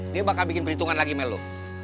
dia bakal bikin perhitungan lagi mel lu